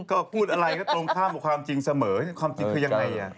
ก็พูดอะไรก็ตรงข้ามกับความจริงเสมอความจริงคือยังไง